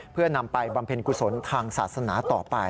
เพื่อนำไปบำเพ็ญกุศลทางศาสนาต่อไป